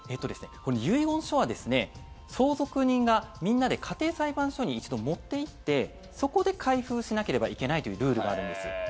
遺言書は、相続人がみんなで家庭裁判所に一度持っていってそこで開封しなければいけないというルールがあるんです。